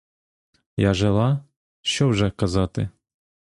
Я жила — що вже казати?